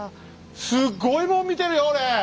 すごいもん見てるよ俺！